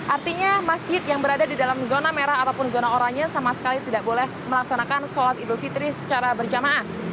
artinya masjid yang berada di dalam zona merah ataupun zona oranye sama sekali tidak boleh melaksanakan sholat idul fitri secara berjamaah